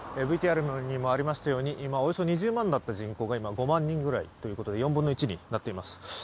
ＶＴＲにもありましたように今およそ２０万だった人口が５万人ぐらいということで４分の１になっています。